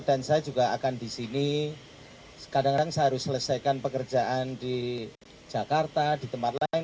dan saya juga akan disini kadang kadang seharus selesaikan pekerjaan di jakarta di tempat lain